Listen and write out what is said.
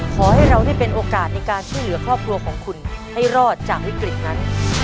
ขอให้เราได้เป็นโอกาสในการช่วยเหลือครอบครัวของคุณให้รอดจากวิกฤตนั้น